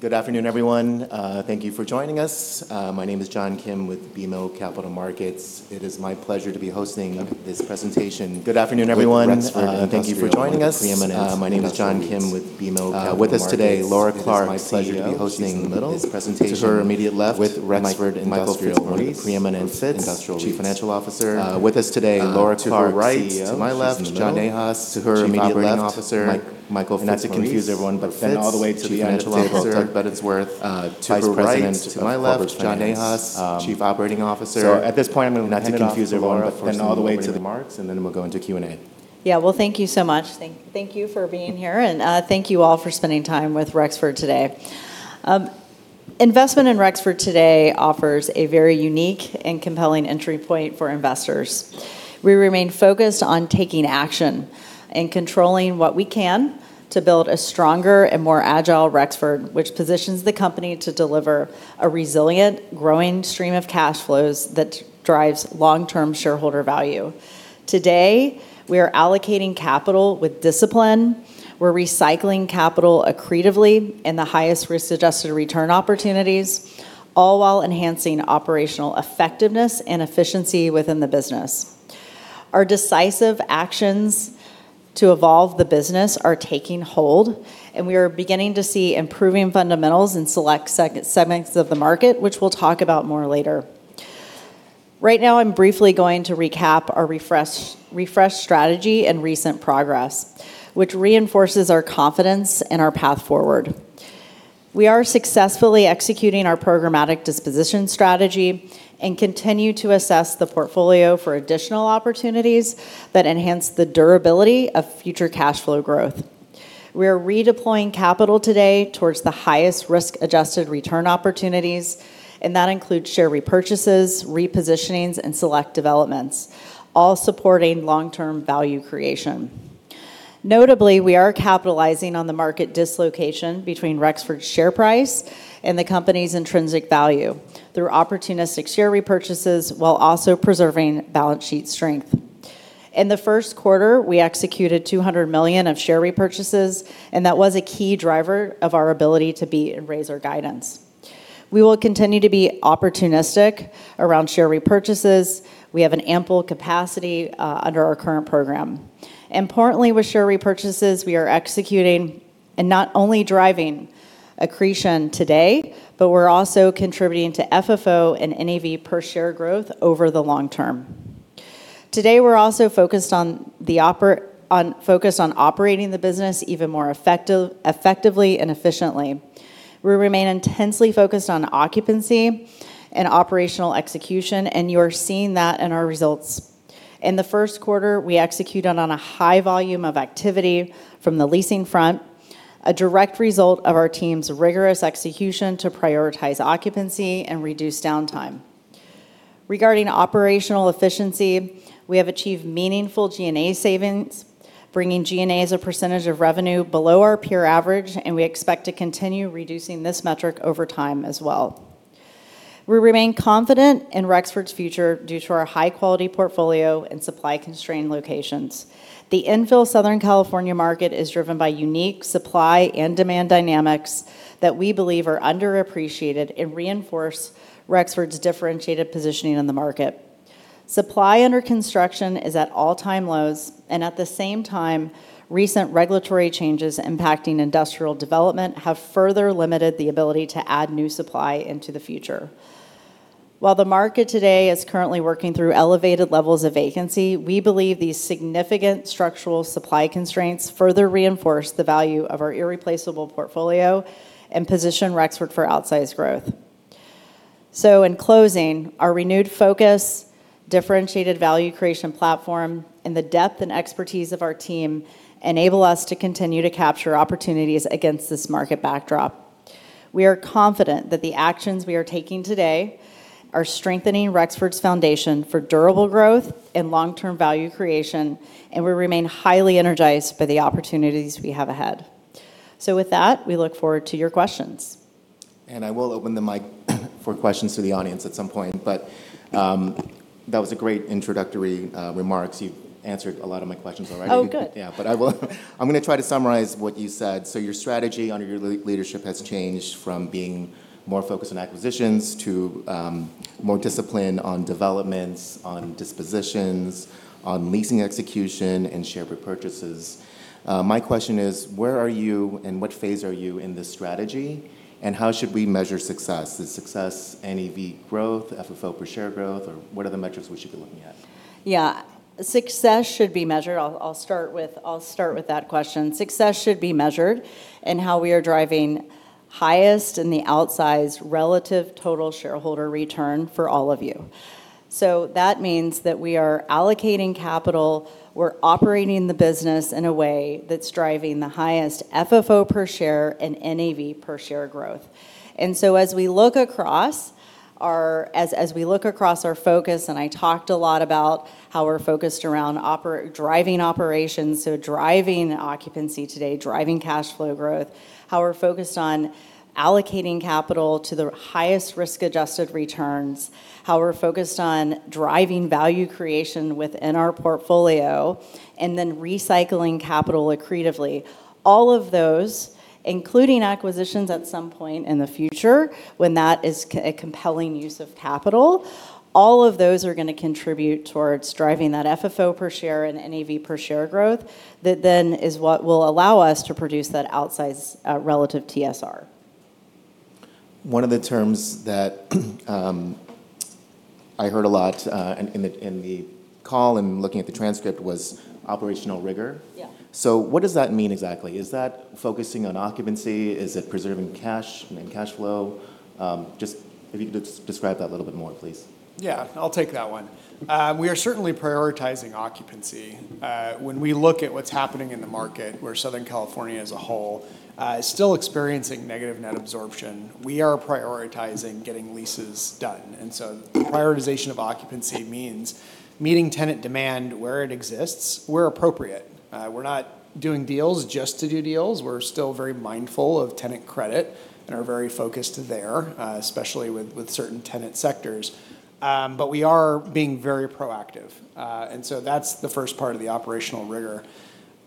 Good afternoon, everyone. Thank you for joining us. My name is John Kim with BMO Capital Markets. It is my pleasure to be hosting this presentation with Rexford Industrial, one of the preeminent industrial REITs. With us today, Laura Clark, CEO. She's in the middle. To her immediate left, Michael Fitzmaurice, itz, Chief Financial Officer. To her right, to my left, John Nahas, Chief Operating Officer. Not to confuse everyone, all the way to the end, we have Doug Buddensworth, Vice President of Corporate Finance. At this point, I'm going to hand it off to Laura for some opening remarks, we'll go into Q&A. Yeah. Well, thank you so much. Thank you for being here, and thank you all for spending time with Rexford today. Investment in Rexford today offers a very unique and compelling entry point for investors. We remain focused on taking action and controlling what we can to build a stronger and more agile Rexford, which positions the company to deliver a resilient, growing stream of cash flows that drives long-term shareholder value. Today, we are allocating capital with discipline, we're recycling capital accretively in the highest risk-adjusted return opportunities, all while enhancing operational effectiveness and efficiency within the business. Our decisive actions to evolve the business are taking hold, and we are beginning to see improving fundamentals in select segments of the market, which we'll talk about more later. Right now, I'm briefly going to recap our refresh strategy and recent progress, which reinforces our confidence in our path forward. We are successfully executing our programmatic disposition strategy and continue to assess the portfolio for additional opportunities that enhance the durability of future cash flow growth. We are redeploying capital today towards the highest risk-adjusted return opportunities, and that includes share repurchases, repositionings, and select developments, all supporting long-term value creation. Notably, we are capitalizing on the market dislocation between Rexford's share price and the company's intrinsic value through opportunistic share repurchases while also preserving balance sheet strength. In the first quarter, we executed $200 million of share repurchases, and that was a key driver of our ability to be and raise our guidance. We will continue to be opportunistic around share repurchases. We have an ample capacity under our current program. Importantly, with share repurchases, we are executing and not only driving accretion today, but we're also contributing to FFO and NAV per share growth over the long term. Today, we're also focused on operating the business even more effectively and efficiently. We remain intensely focused on occupancy and operational execution, and you are seeing that in our results. In the first quarter, we executed on a high volume of activity from the leasing front, a direct result of our team's rigorous execution to prioritize occupancy and reduce downtime. Regarding operational efficiency, we have achieved meaningful G&A savings, bringing G&A as a percentage of revenue below our peer average, and we expect to continue reducing this metric over time as well. We remain confident in Rexford's future due to our high-quality portfolio and supply-constrained locations. The infill Southern California market is driven by unique supply and demand dynamics that we believe are underappreciated and reinforce Rexford's differentiated positioning in the market. Supply under construction is at all-time lows, and at the same time, recent regulatory changes impacting industrial development have further limited the ability to add new supply into the future. While the market today is currently working through elevated levels of vacancy, we believe these significant structural supply constraints further reinforce the value of our irreplaceable portfolio and position Rexford for outsized growth. In closing, our renewed focus, differentiated value creation platform, and the depth and expertise of our team enable us to continue to capture opportunities against this market backdrop. We are confident that the actions we are taking today are strengthening Rexford's foundation for durable growth and long-term value creation, and we remain highly energized by the opportunities we have ahead. With that, we look forward to your questions. I will open the mic for questions to the audience at some point. That was a great introductory remarks. You answered a lot of my questions already. Oh, good. I'm going to try to summarize what you said. Your strategy under your leadership has changed from being more focused on acquisitions to more discipline on developments, on dispositions, on leasing execution, and share repurchases. My question is, where are you and what phase are you in this strategy, and how should we measure success? Is success NAV growth, FFO per share growth, or what are the metrics we should be looking at? Yeah. I'll start with that question. Success should be measured in how we are driving highest in the outsized relative total shareholder return for all of you. That means that we are allocating capital, we're operating the business in a way that's driving the highest FFO per share and NAV per share growth. As we look across our focus, and I talked a lot about how we're focused around driving operations, so driving occupancy today, driving cash flow growth, how we're focused on allocating capital to the highest risk-adjusted returns, how we're focused on driving value creation within our portfolio, and then recycling capital accretively. All of those, including acquisitions at some point in the future, when that is a compelling use of capital, all of those are going to contribute towards driving that FFO per share and NAV per share growth. That then is what will allow us to produce that outsized relative TSR. One of the terms that I heard a lot in the call and looking at the transcript was operational rigor. Yeah. What does that mean exactly? Is that focusing on occupancy? Is it preserving cash and cash flow? If you could just describe that a little bit more, please. Yeah, I'll take that one. We are certainly prioritizing occupancy. When we look at what's happening in the market, where Southern California as a whole is still experiencing negative net absorption, we are prioritizing getting leases done. The prioritization of occupancy means meeting tenant demand where it exists, where appropriate. We're not doing deals just to do deals. We're still very mindful of tenant credit and are very focused there, especially with certain tenant sectors. We are being very proactive. That's the first part of the operational rigor.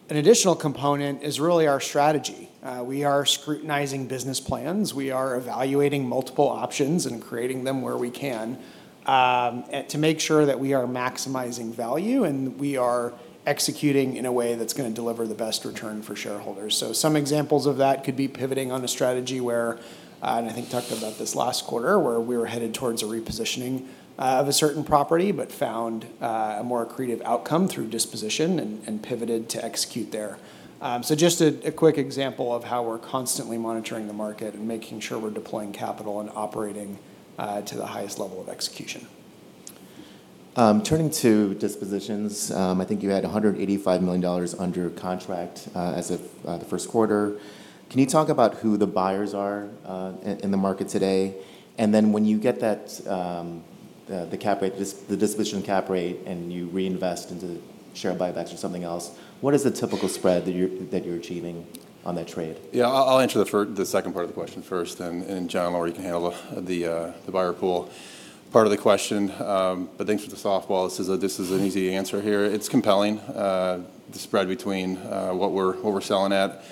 An additional component is really our strategy. We are scrutinizing business plans. We are evaluating multiple options and creating them where we can to make sure that we are maximizing value, and we are executing in a way that's going to deliver the best return for shareholders. Some examples of that could be pivoting on a strategy where, and I think we talked about this last quarter, where we were headed towards a repositioning of a certain property, but found a more accretive outcome through disposition and pivoted to execute there. Just a quick example of how we're constantly monitoring the market and making sure we're deploying capital and operating to the highest level of execution. Turning to dispositions, I think you had $185 million under contract as of the first quarter. Can you talk about who the buyers are in the market today? When you get the disposition cap rate, and you reinvest into share buybacks or something else, what is the typical spread that you're achieving on that trade? Yeah, I'll answer the second part of the question first, then John Mallory can handle the buyer pool part of the question. Thanks for the softball. This is an easy answer here. It's compelling, the spread between what we're selling at.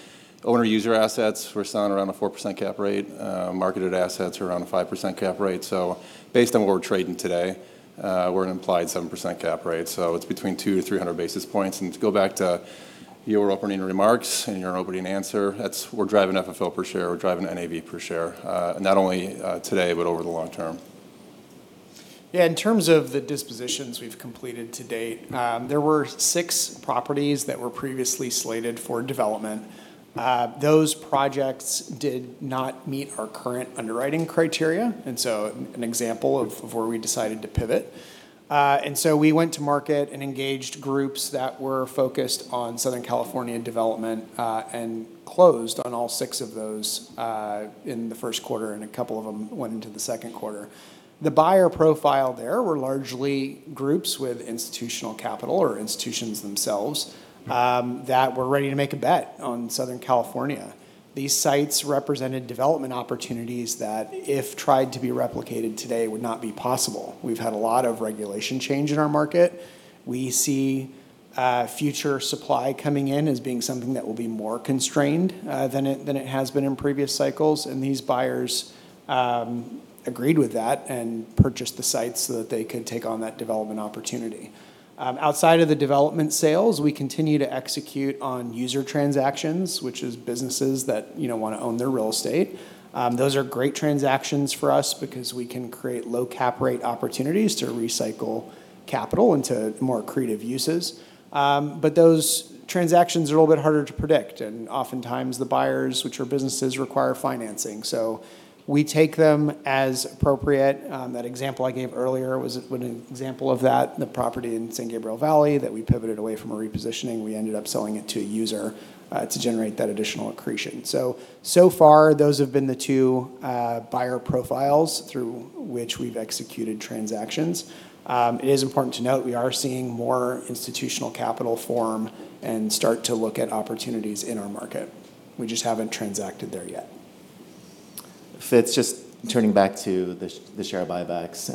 Owner user assets, we're selling around a 4% cap rate. Marketed assets are around a 5% cap rate. Based on what we're trading today, we're an implied 7% cap rate. It's between 200-300 basis points. To go back to your opening remarks and your opening answer, we're driving FFO per share, we're driving NAV per share, not only today, but over the long term. Yeah, in terms of the dispositions we've completed to date, there were six properties that were previously slated for development. Those projects did not meet our current underwriting criteria, and so an example of where we decided to pivot. We went to market and engaged groups that were focused on Southern California development and closed on all six of those in the first quarter, and a couple of them went into the second quarter. The buyer profile there were largely groups with institutional capital or institutions themselves that were ready to make a bet on Southern California. These sites represented development opportunities that, if tried to be replicated today, would not be possible. We've had a lot of regulation change in our market. We see future supply coming in as being something that will be more constrained than it has been in previous cycles, and these buyers agreed with that and purchased the sites so that they could take on that development opportunity. Outside of the development sales, we continue to execute on user transactions, which is businesses that want to own their real estate. Those are great transactions for us because we can create low cap rate opportunities to recycle capital into more accretive uses. Those transactions are a little bit harder to predict, and oftentimes the buyers, which are businesses, require financing. We take them as appropriate. That example I gave earlier was an example of that, the property in San Gabriel Valley that we pivoted away from a repositioning. We ended up selling it to a user to generate that additional accretion. So far those have been the two buyer profiles through which we've executed transactions. It is important to note we are seeing more institutional capital form and start to look at opportunities in our market. We just haven't transacted there yet. Fitz, just turning back to the share buybacks.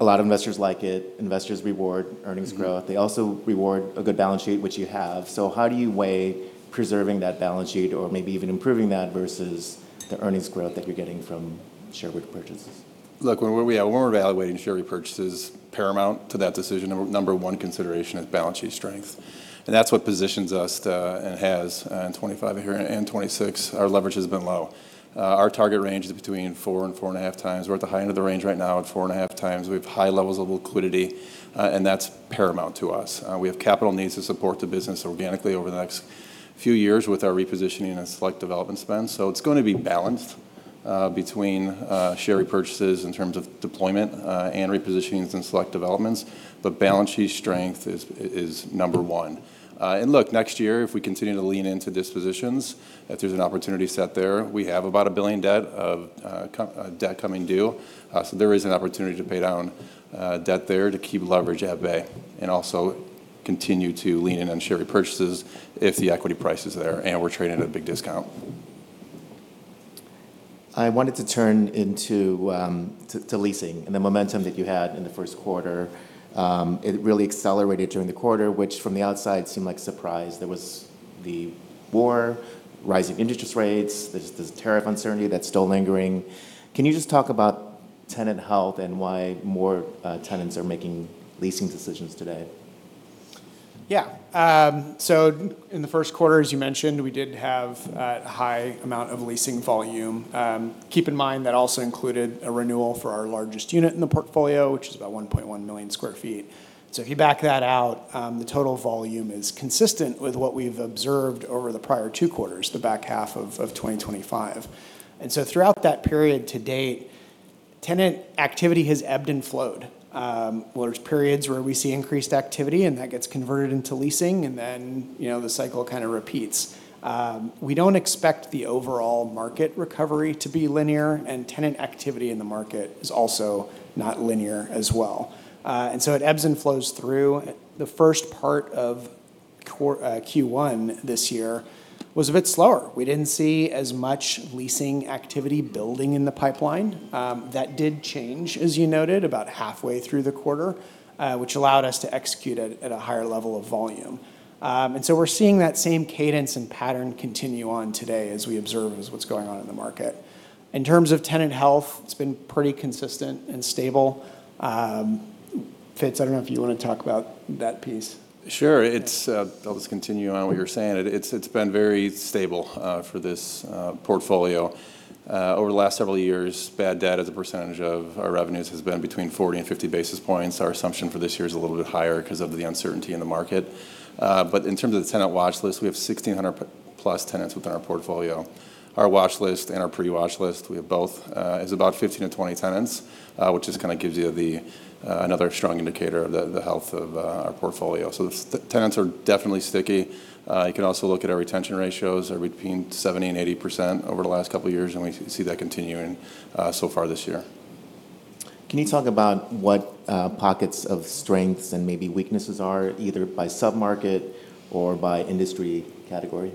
A lot of investors like it. Investors reward earnings growth. They also reward a good balance sheet, which you have. How do you weigh preserving that balance sheet or maybe even improving that versus the earnings growth that you're getting from share repurchase? Look, when we're evaluating share repurchases, paramount to that decision, number one consideration is balance sheet strength. That's what positions us to, and has in 2025 here and 2026. Our leverage has been low. Our target range is between 4x and 4.5x. We're at the high end of the range right now at 4.5x. We have high levels of liquidity. That's paramount to us. We have capital needs to support the business organically over the next few years with our repositioning and select development spend. It's going to be balanced between share repurchases in terms of deployment and repositionings and select developments. Balance sheet strength is number one. Look, next year, if we continue to lean into dispositions, if there's an opportunity set there, we have about $1 billion of debt coming due. There is an opportunity to pay down debt there to keep leverage at bay and also continue to lean in on share repurchases if the equity price is there and we're trading at a big discount. I wanted to turn into leasing and the momentum that you had in the first quarter. It really accelerated during the quarter, which from the outside seemed like a surprise. There was the war, rising interest rates. There's this tariff uncertainty that's still lingering. Can you just talk about tenant health and why more tenants are making leasing decisions today? Yeah. In the first quarter, as you mentioned, we did have a high amount of leasing volume. Keep in mind that also included a renewal for our largest unit in the portfolio, which is about 1.1 million sq ft. If you back that out, the total volume is consistent with what we've observed over the prior two quarters, the back half of 2025. Throughout that period to date, tenant activity has ebbed and flowed, where there's periods where we see increased activity and that gets converted into leasing and then the cycle kind of repeats. We don't expect the overall market recovery to be linear. Tenant activity in the market is also not linear as well. It ebbs and flows through. The first part of Q1 this year was a bit slower. We didn't see as much leasing activity building in the pipeline. That did change, as you noted, about halfway through the quarter, which allowed us to execute at a higher level of volume. We're seeing that same cadence and pattern continue on today as we observe what's going on in the market. In terms of tenant health, it's been pretty consistent and stable. Fitz, I don't know if you want to talk about that piece. Sure. I'll just continue on what you're saying. It's been very stable for this portfolio. Over the last several years, bad debt as a percentage of our revenues has been between 40 and 50 basis points. Our assumption for this year is a little bit higher because of the uncertainty in the market. In terms of the tenant watch list, we have 1,600-plus tenants within our portfolio. Our watch list and our pre-watch list, we have both, is about 15 to 20 tenants, which just kind of gives you another strong indicator of the health of our portfolio. The tenants are definitely sticky. You can also look at our retention ratios are between 70%-80% over the last couple of years, and we see that continuing so far this year. Can you talk about what pockets of strengths and maybe weaknesses are, either by sub-market or by industry category?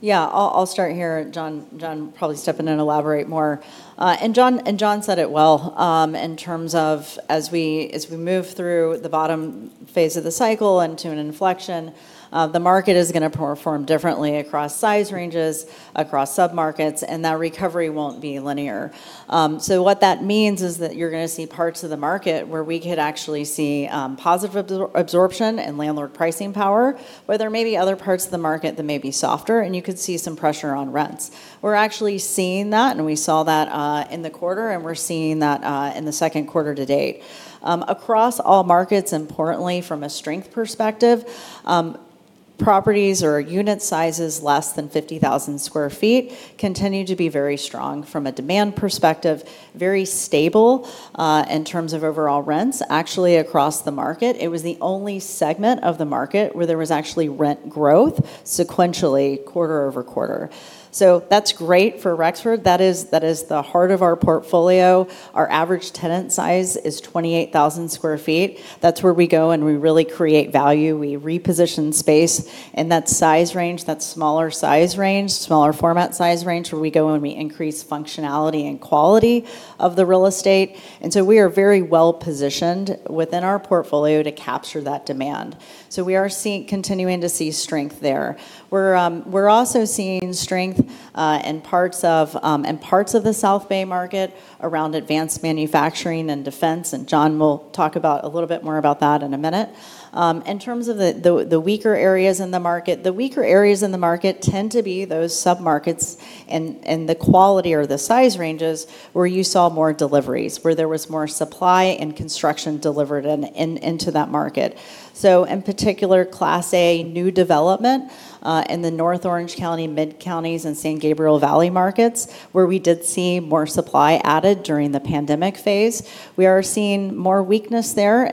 Yeah. I'll start here. John will probably step in and elaborate more. John said it well, in terms of as we move through the bottom phase of the cycle into an inflection, the market is going to perform differently across size ranges, across sub-markets, and that recovery won't be linear. What that means is that you're going to see parts of the market where we could actually see positive absorption and landlord pricing power, where there may be other parts of the market that may be softer and you could see some pressure on rents. We're actually seeing that, and we saw that in the quarter, and we're seeing that in the second quarter to date. Across all markets, importantly, from a strength perspective, properties or unit sizes less than 50,000 sq ft continue to be very strong from a demand perspective. Very stable in terms of overall rents. Actually, across the market, it was the only segment of the market where there was actually rent growth sequentially quarter over quarter. That's great for Rexford. That is the heart of our portfolio. Our average tenant size is 28,000 sq ft. That's where we go, and we really create value. We reposition space in that size range, that smaller size range, smaller format size range, where we go and we increase functionality and quality of the real estate. We are very well positioned within our portfolio to capture that demand. We are continuing to see strength there. We're also seeing strength in parts of the South Bay market around advanced manufacturing and defense. John will talk a little bit more about that in a minute. In terms of the weaker areas in the market, the weaker areas in the market tend to be those sub-markets and the quality or the size ranges where you saw more deliveries, where there was more supply and construction delivered into that market. In particular, Class A new development in the North Orange County, mid-counties, and San Gabriel Valley markets, where we did see more supply added during the pandemic phase. We are seeing more weakness there,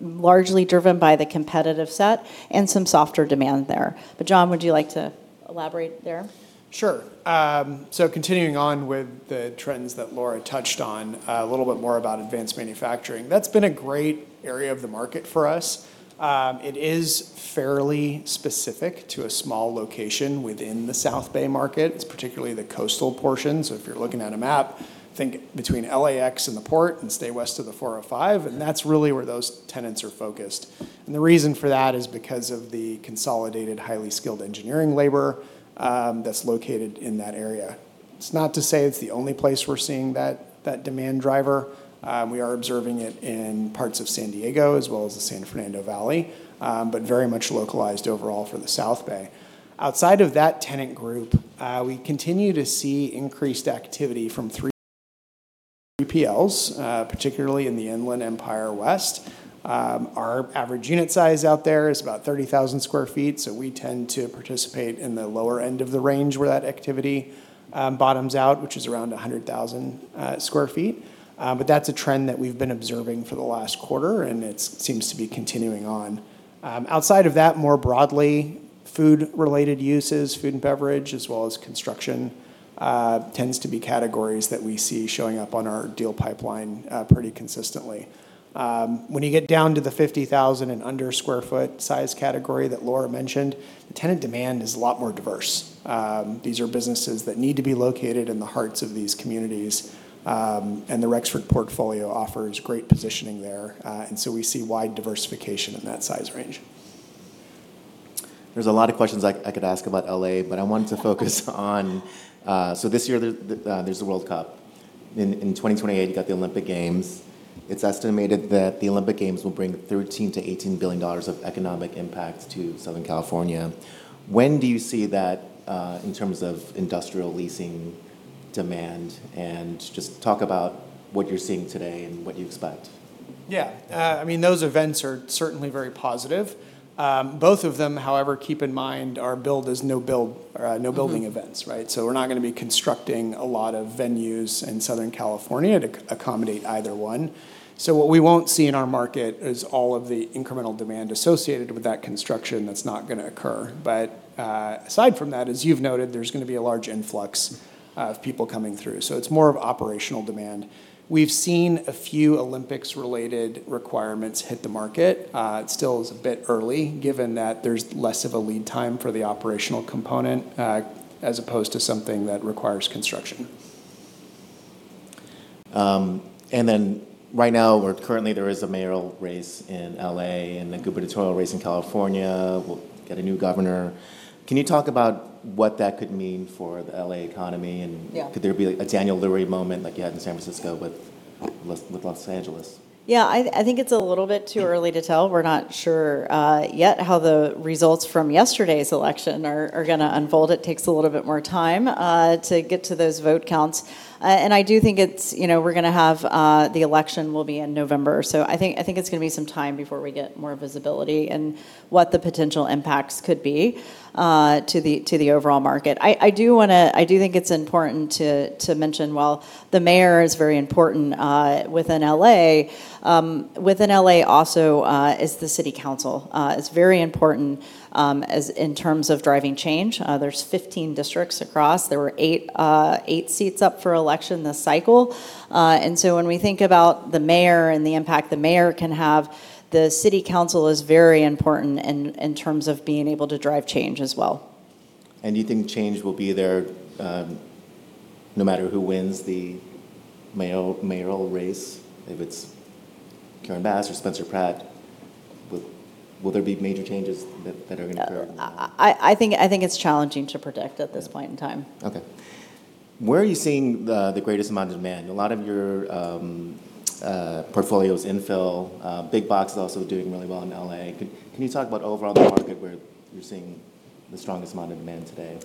largely driven by the competitive set and some softer demand there. John, would you like to elaborate there? Sure. Continuing on with the trends that Laura touched on, a little bit more about advanced manufacturing. That's been a great area of the market for us. It is fairly specific to a small location within the South Bay market. It's particularly the coastal portion. If you're looking at a map, think between LAX and the port, and stay west of the 405, and that's really where those tenants are focused. The reason for that is because of the consolidated, highly skilled engineering labor that's located in that area. It's not to say it's the only place we're seeing that demand driver. We are observing it in parts of San Diego as well as the San Fernando Valley, but very much localized overall for the South Bay. Outside of that tenant group, we continue to see increased activity from 3PLs, particularly in the Inland Empire West. Our average unit size out there is about 30,000 sq ft. We tend to participate in the lower end of the range where that activity bottoms out, which is around 100,000 sq ft. That's a trend that we've been observing for the last quarter, and it seems to be continuing on. Outside of that, more broadly, food-related uses, food and beverage, as well as construction, tends to be categories that we see showing up on our deal pipeline pretty consistently. When you get down to the 50,000 and under square foot size category that Laura mentioned, the tenant demand is a lot more diverse. These are businesses that need to be located in the hearts of these communities. The Rexford portfolio offers great positioning there. We see wide diversification in that size range. There's a lot of questions I could ask about L.A., but I wanted to focus on so this year there's the World Cup. In 2028, you got the Olympic Games. It's estimated that the Olympic Games will bring $13 billion-$18 billion of economic impact to Southern California. When do you see that in terms of industrial leasing demand? Just talk about what you're seeing today and what you expect. Yeah. Those events are certainly very positive. Both of them, however, keep in mind, are no building events, right? We're not going to be constructing a lot of venues in Southern California to accommodate either one. What we won't see in our market is all of the incremental demand associated with that construction that's not going to occur. Aside from that, as you've noted, there's going to be a large influx of people coming through. It's more of operational demand. We've seen a few Olympics-related requirements hit the market. It still is a bit early given that there's less of a lead time for the operational component, as opposed to something that requires construction. Right now, currently there is a mayoral race in L.A. and a gubernatorial race in California. We'll get a new governor. Can you talk about what that could mean for the L.A. economy? Yeah. Could there be a Daniel Lurie moment like you had in San Francisco with Los Angeles? Yeah, I think it's a little bit too early to tell. We're not sure yet how the results from yesterday's election are going to unfold. It takes a little bit more time to get to those vote counts. I do think we're going to have the election will be in November. I think it's going to be some time before we get more visibility and what the potential impacts could be to the overall market. I do think it's important to mention while the mayor is very important within L.A., within L.A. also is the city council. It's very important in terms of driving change. There's 15 districts across. There were eight seats up for election this cycle. When we think about the mayor and the impact the mayor can have, the city council is very important in terms of being able to drive change as well. You think change will be there no matter who wins the mayoral race, if it's Karen Bass or Spencer Pratt, will there be major changes that are going to occur? I think it's challenging to predict at this point in time. Okay. Where are you seeing the greatest amount of demand? A lot of your portfolio's infill. Big box is also doing really well in L.A. Can you talk about overall the market where you're seeing the strongest amount of demand today?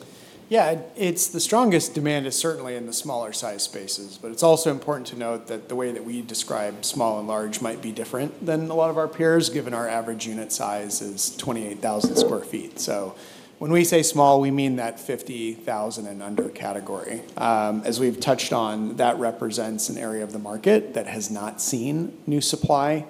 Yeah. The strongest demand is certainly in the smaller size spaces, but it's also important to note that the way that we describe small and large might be different than a lot of our peers, given our average unit size is 28,000 sq ft. When we say small, we mean that 50,000 and under category. As we've touched on, that represents an area of the market that has not seen new supply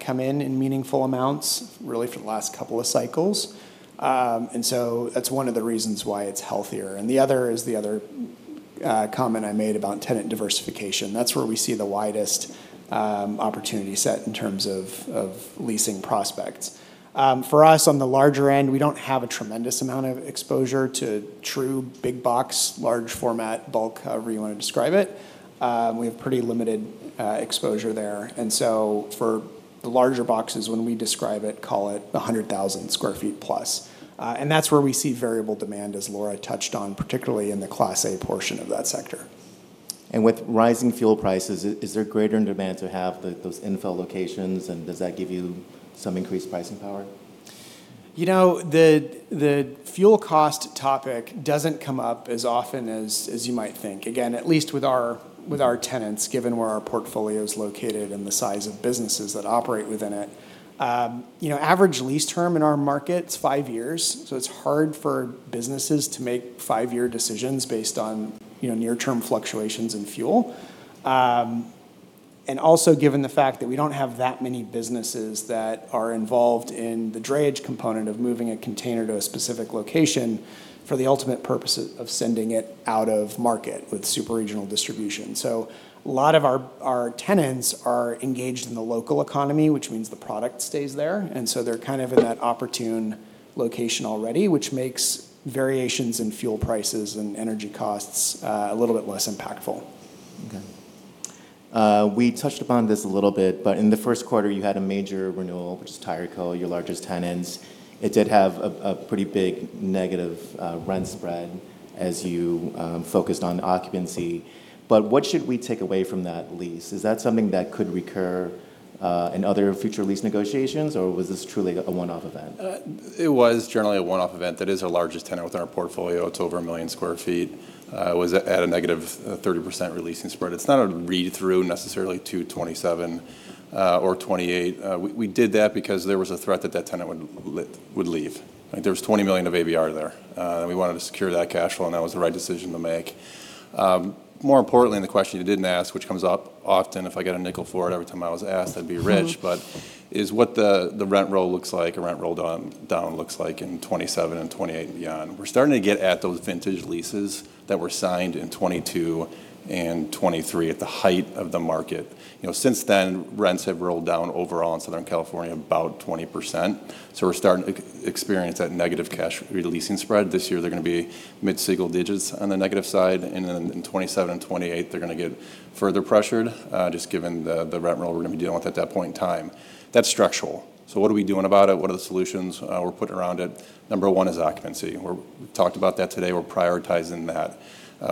come in in meaningful amounts, really for the last couple of cycles. That's one of the reasons why it's healthier. The other is the other comment I made about tenant diversification. That's where we see the widest opportunity set in terms of leasing prospects. For us, on the larger end, we don't have a tremendous amount of exposure to true big box, large format, bulk, however you want to describe it. We have pretty limited exposure there. For the larger boxes, when we describe it, call it 100,000 sq ft plus. That's where we see variable demand, as Laura touched on, particularly in the Class A portion of that sector. With rising fuel prices, is there greater demand to have those infill locations, and does that give you some increased pricing power? The fuel cost topic doesn't come up as often as you might think. Again, at least with our tenants, given where our portfolio's located and the size of businesses that operate within it. Average lease term in our market's five years, so it's hard for businesses to make five-year decisions based on near-term fluctuations in fuel. Also given the fact that we don't have that many businesses that are involved in the drayage component of moving a container to a specific location for the ultimate purpose of sending it out of market with super regional distribution. A lot of our tenants are engaged in the local economy, which means the product stays there, and so they're kind of in that opportune location already, which makes variations in fuel prices and energy costs a little bit less impactful. Okay. We touched upon this a little bit, but in the first quarter, you had a major renewal, which is Tireco, Inc., your largest tenants. It did have a pretty big negative rent spread as you focused on occupancy, but what should we take away from that lease? Is that something that could recur in other future lease negotiations, or was this truly a one-off event? It was generally a one-off event. That is our largest tenant within our portfolio. It's over a million sq ft. It was at a negative 30% releasing spread. It's not a read-through necessarily to 2027 or 2028. We did that because there was a threat that that tenant would leave. There was $20 million of ABR there, and we wanted to secure that cash flow, and that was the right decision to make. More importantly, the question you didn't ask, which comes up often, if I get a nickel for it every time I was asked, I'd be rich. Is what the rent roll looks like, or rent roll down looks like in 2027 and 2028 and beyond. We're starting to get at those vintage leases that were signed in 2022 and 2023 at the height of the market. Since then, rents have rolled down overall in Southern California about 20%. We're starting to experience that negative cash re-leasing spread. This year they're going to be mid-single digits on the negative side, and then in 2027 and 2028 they're going to get further pressured, just given the rent roll we're going to be dealing with at that point in time. That's structural. What are we doing about it? What are the solutions we're putting around it? Number one is occupancy. We talked about that today. We're prioritizing that.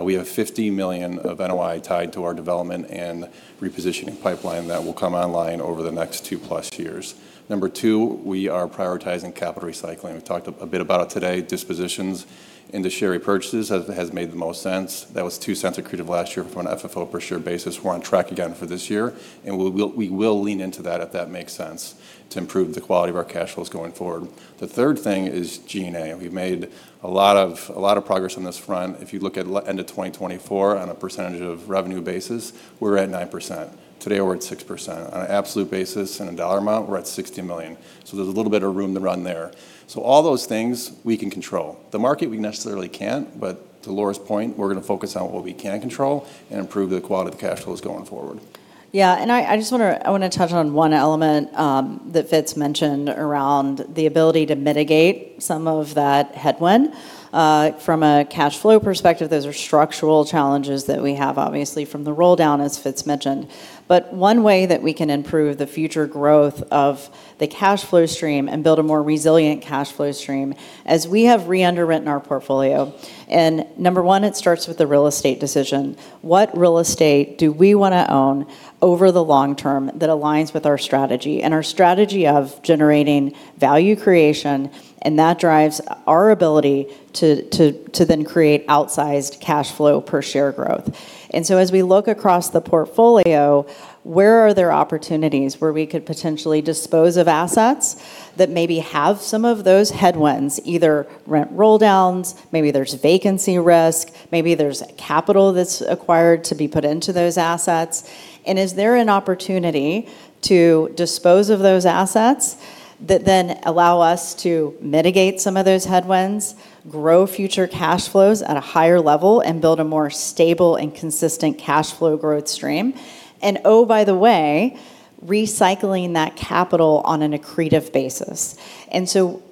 We have $50 million of NOI tied to our development and repositioning pipeline that will come online over the next two-plus years. Number two, we are prioritizing capital recycling. We talked a bit about it today. Dispositions into share repurchases has made the most sense. That was $0.02 accretive last year for an FFO per share basis. We're on track again for this year, and we will lean into that if that makes sense to improve the quality of our cash flows going forward. The third thing is G&A. We've made a lot of progress on this front. If you look at end of 2024 on a percentage of revenue basis, we're at 9%. Today we're at 6%. On an absolute basis in a dollar amount, we're at $60 million. There's a little bit of room to run there. All those things we can control. The market we necessarily can't, but to Laura's point, we're going to focus on what we can control and improve the quality of the cash flows going forward. I just want to touch on one element that Fitz mentioned around the ability to mitigate some of that headwind. From a cash flow perspective, those are structural challenges that we have obviously from the roll down, as Fitz mentioned. One way that we can improve the future growth of the cash flow stream and build a more resilient cash flow stream as we have re-underwritten our portfolio. Number one, it starts with the real estate decision. What real estate do we want to own over the long term that aligns with our strategy? Our strategy of generating value creation, and that drives our ability to then create outsized cash flow per share growth. As we look across the portfolio, where are there opportunities where we could potentially dispose of assets that maybe have some of those headwinds, either rent roll downs, maybe there's vacancy risk, maybe there's capital that's required to be put into those assets. Is there an opportunity to dispose of those assets that then allow us to mitigate some of those headwinds, grow future cash flows at a higher level, and build a more stable and consistent cash flow growth stream. Oh, by the way, recycling that capital on an accretive basis.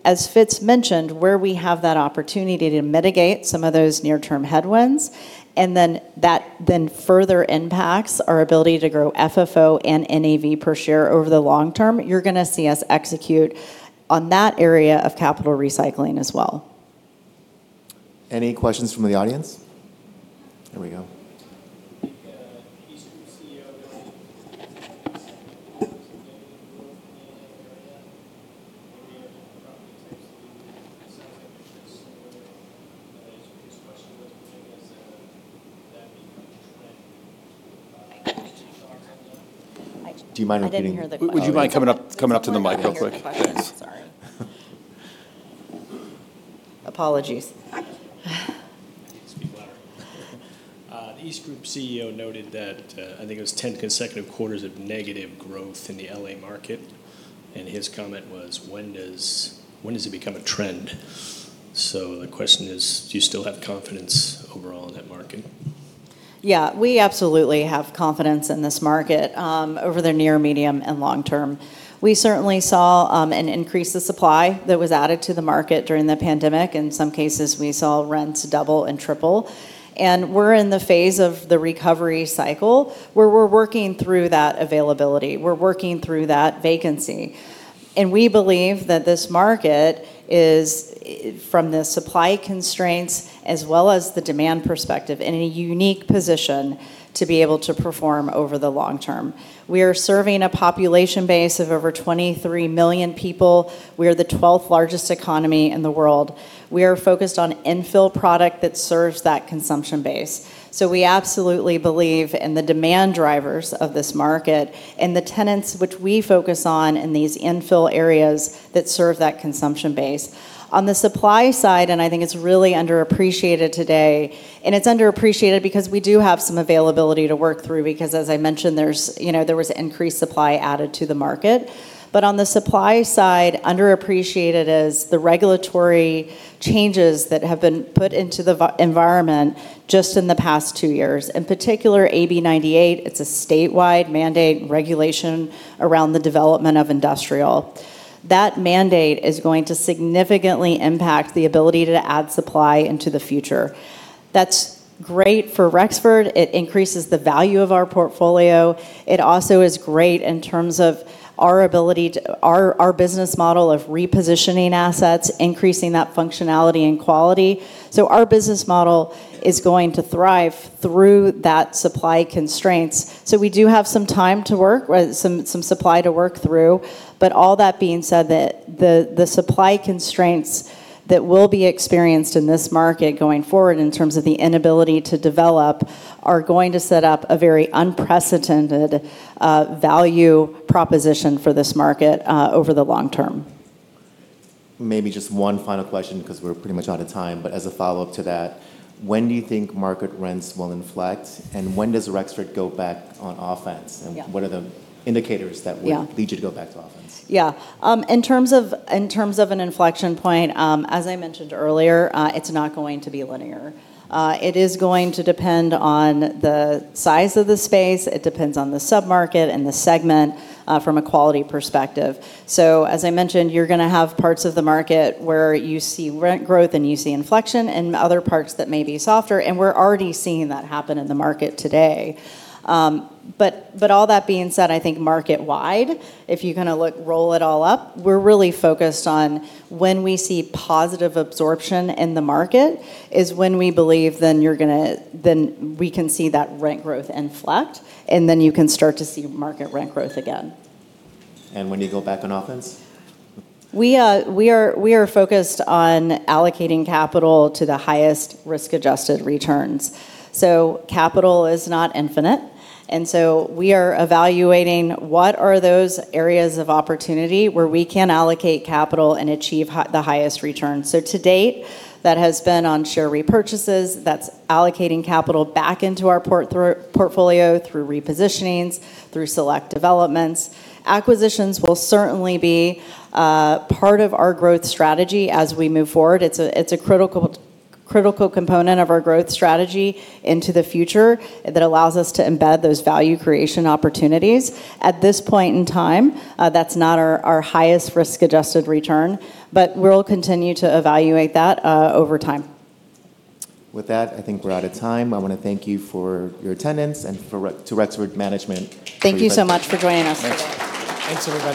As Fitz mentioned, where we have that opportunity to mitigate some of those near-term headwinds, and then that then further impacts our ability to grow FFO and NAV per share over the long term, you're going to see us execute on that area of capital recycling as well. Any questions from the audience? There we go. The EastGroup Properties CEO noted some negative growth in the L.A. area. What do you think are the property types that you would be most exposed to? I guess my biggest question would be, is that becoming a trend? I didn't hear that one. Do you mind repeating? I didn't hear the question. Would you mind coming up to the mic real quick? I didn't hear the question, sorry. Apologies. I need to speak louder. The EastGroup Properties CEO noted that, I think it was 10 consecutive quarters of negative growth in the L.A. market, and his comment was, "When does it become a trend?" The question is, do you still have confidence overall in that market? Yeah, we absolutely have confidence in this market, over the near, medium, and long term. We certainly saw an increase of supply that was added to the market during the pandemic. In some cases, we saw rents double and triple. We're in the phase of the recovery cycle where we're working through that availability. We're working through that vacancy. We believe that this market is, from the supply constraints as well as the demand perspective, in a unique position to be able to perform over the long term. We are serving a population base of over 23 million people. We are the 12th largest economy in the world. We are focused on infill product that serves that consumption base. We absolutely believe in the demand drivers of this market and the tenants which we focus on in these infill areas that serve that consumption base. On the supply side, and I think it's really underappreciated today, and it's underappreciated because we do have some availability to work through because as I mentioned, there was increased supply added to the market. On the supply side, underappreciated is the regulatory changes that have been put into the environment just in the past two years. In particular, AB 98. It's a statewide mandate and regulation around the development of industrial. That mandate is going to significantly impact the ability to add supply into the future. That's great for Rexford. It increases the value of our portfolio. It also is great in terms of our business model of repositioning assets, increasing that functionality and quality. Our business model is going to thrive through that supply constraints. We do have some time to work, some supply to work through. All that being said, the supply constraints that will be experienced in this market going forward in terms of the inability to develop are going to set up a very unprecedented value proposition for this market over the long term. Maybe just one final question because we're pretty much out of time, but as a follow-up to that, when do you think market rents will inflect, and when does Rexford go back on offense? Yeah. What are the indicators? Yeah lead you to go back to offense? Yeah. In terms of an inflection point, as I mentioned earlier, it's not going to be linear. It is going to depend on the size of the space. It depends on the sub-market and the segment, from a quality perspective. As I mentioned, you're going to have parts of the market where you see rent growth and you see inflection and other parts that may be softer, and we're already seeing that happen in the market today. All that being said, I think market-wide, if you roll it all up, we're really focused on when we see positive absorption in the market is when we believe then we can see that rent growth inflect, and then you can start to see market rent growth again. When do you go back on offense? We are focused on allocating capital to the highest risk-adjusted returns. Capital is not infinite, and so we are evaluating what are those areas of opportunity where we can allocate capital and achieve the highest return. To date, that has been on share repurchases. That's allocating capital back into our portfolio through repositionings, through select developments. Acquisitions will certainly be part of our growth strategy as we move forward. It's a critical component of our growth strategy into the future that allows us to embed those value creation opportunities. At this point in time, that's not our highest risk-adjusted return, but we'll continue to evaluate that over time. With that, I think we're out of time. I want to thank you for your attendance and to Rexford management for your presentation. Thank you so much for joining us. Thanks, everyone.